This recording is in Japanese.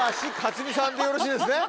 でよろしいですね？